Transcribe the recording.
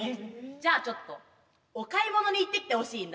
じゃあちょっとお買い物に行ってきてほしいんだ。